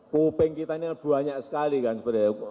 kuping kita ini banyak sekali kan sebenarnya